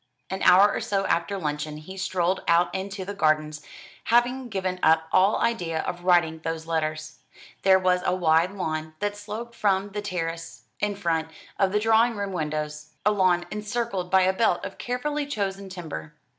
An hour or so after luncheon he strolled out into the gardens, having given up all idea of writing those letters, There was a wide lawn, that sloped from the terrace in front of the drawing room windows, a lawn encircled by a belt of carefully chosen timber.